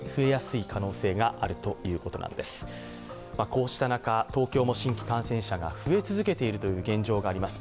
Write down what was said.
こうした中、東京も新規感染者が増え続けているという現状があります。